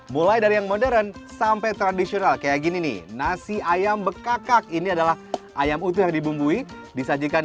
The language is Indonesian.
baik untuk kesehatan